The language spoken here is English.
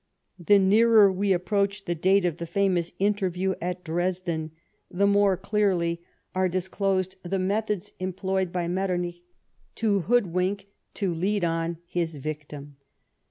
The nearer we approach the date of the famous interview at Dresden, the more clearly are 88 LIFE OF PBINCE METTEBNICE. disclosed the methods employed by jNIettcrnich to hood wink, to lead on, his victim.